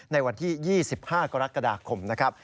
ในวันที่๒๕กรกฎาคมนะครับ